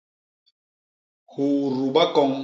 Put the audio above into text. Huuru bakoñ!